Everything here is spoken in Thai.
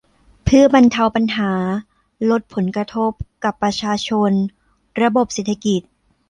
เพื่อบรรเทาปัญหาลดผลกระทบกับประชาชนระบบเศรษฐกิจ